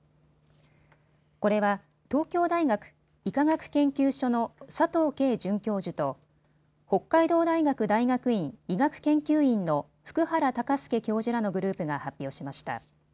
これは東京大学医科学研究所の佐藤佳准教授と北海道大学大学院医学研究院の福原崇介教授らのグループが発表しました。